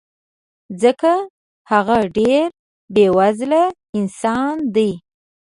ځکه هغه ډېر بې وزله انسان دی